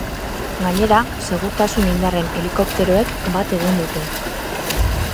Gainera, segurtasun indarren helikopteroek bat egin dute.